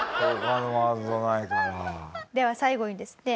では最後にですね